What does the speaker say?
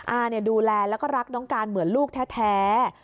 อาดูแลแล้วก็รักน้องการเหมือนลูกแท้